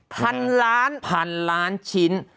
พันล้านพันล้านชิ้น